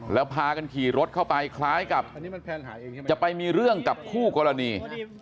แล้วพากันขี่รถเข้าไปคล้ายกับจะไปมีเรื่องกับคู่กรณี